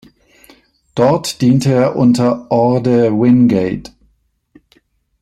Dort diente er unter Orde Wingate.